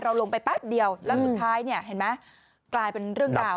ลงไปแป๊บเดียวแล้วสุดท้ายเนี่ยเห็นไหมกลายเป็นเรื่องราว